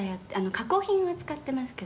加工品を扱ってますけど」